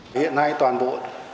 hiện nay toàn bộ